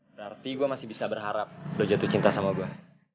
berarti gue masih bisa berharap udah jatuh cinta sama gue